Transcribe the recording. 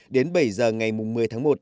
đến bảy giờ ngày một mươi tháng một